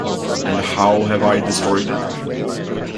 And how have I destroyed it?